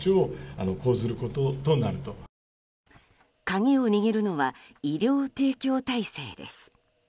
鍵を握るのは医療提供体制です。